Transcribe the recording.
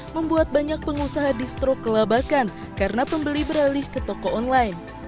membuat banyak pengusaha distro kelabakan karena pembeli beralih ke toko online